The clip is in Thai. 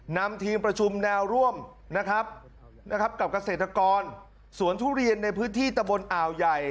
นำทีมประชุมแนวร่วมนะครับกับเกษตรกรสวนทุเรียนในพื้นที่ตะบนอ่าวใหญ่